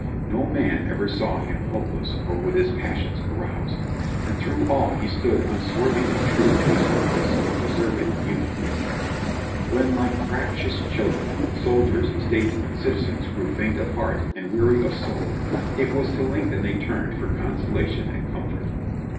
No man ever saw him hopeless or with his passions aroused, and through all he stood unswervingly true to his purpose of preserving the Union intact. When, like fractious children, soldiers, statesmen, citizens grew faint of heart and weary of soul, it was to Lincoln they turned for consolation and comfort.